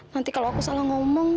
nanti kalau aku salah ngomong